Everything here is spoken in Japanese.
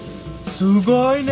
すごいね！